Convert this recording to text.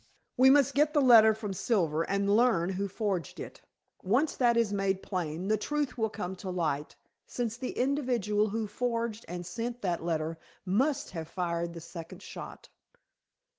"We must get the letter from Silver and learn who forged it. Once that is made plain, the truth will come to light, since the individual who forged and sent that letter must have fired the second shot."